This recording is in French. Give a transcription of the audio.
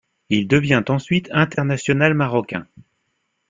Il devient ensuite international marocain.